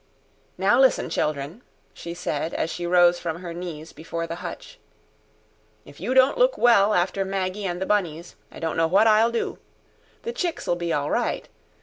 "Now listen, children," she said as she rose from her knees before the hutch. "If you don't look well after Maggy and the bunnies, I don't know what I'll do. The chicks'll be all right.